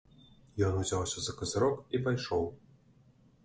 Ён узяўся за казырок і пайшоў.